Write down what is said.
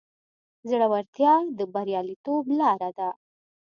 زړورتیا د بریالیتوب لاره ده.